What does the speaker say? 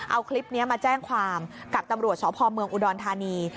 เอาคลิปนี้มาแจ้งความกับตำรวจสพเมืองอุดรธานี